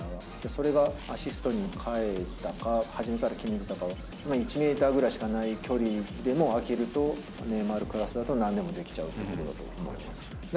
それがアシストに変えたか、始めから決めてたか、１メートルぐらいしかない距離でも、空けるとネイマールクラスだと、なんでもできちゃうプレーだと思います。